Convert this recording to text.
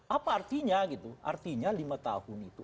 apa artinya gitu artinya lima tahun itu